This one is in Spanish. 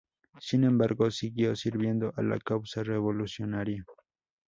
Sin embargo, siguió sirviendo a la causa revolucionaria.